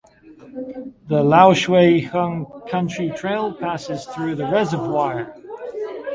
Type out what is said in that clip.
The Lau Shui Heung Country Trail passes through the reservoir.